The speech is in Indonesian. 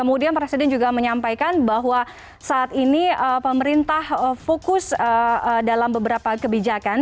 kemudian presiden juga menyampaikan bahwa saat ini pemerintah fokus dalam beberapa kebijakan